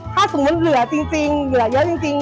ถ้าสมมุติเหลือจริงเหลือเยอะจริง